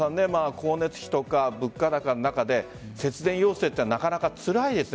光熱費とか物価高の中で節電要請、なかなかつらいですね。